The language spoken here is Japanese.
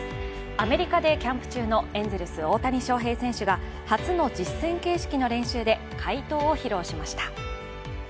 アメリカでキャンプ中のエンゼルス・大谷翔平選手が初の実戦形式の練習で快投を披露しました。